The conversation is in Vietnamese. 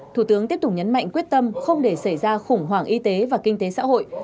thủ tướng tiếp tục nhấn mạnh quyết tâm không để xảy ra khủng hoảng y tế và kinh tế xã hội